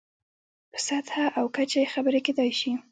په سطحه او کچه یې خبرې کېدای شي.